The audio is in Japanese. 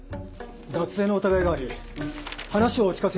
脱税の疑いがあり話をお聞かせ頂けますか？